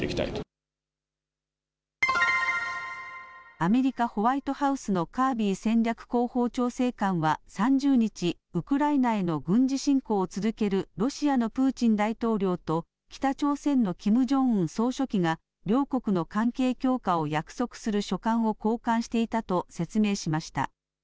アメリカ、ホワイトハウスのカービー戦略広報調整官は３０日、ウクライナへの軍事侵攻を続けるロシアのプーチン大統領と、北朝鮮のキム・ジョンウン総書記が両国の関係強化を約束する書簡を交換していたと説明しました。